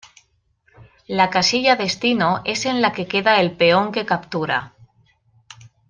La casilla destino es en la que queda el peón que captura.